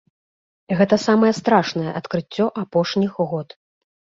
Гэта самае страшнае адкрыццё апошніх год.